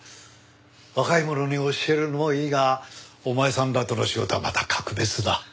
若い者に教えるのもいいがお前さんらとの仕事はまた格別だ。